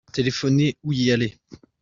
téléphoner ou y aller.